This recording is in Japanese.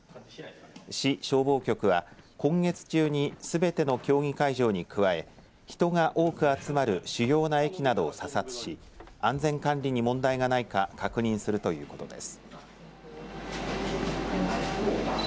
市消防局は今月中にすべての競技会場に加え人が多く集まる主要な駅などを査察し安全管理に問題がないか確認するということです。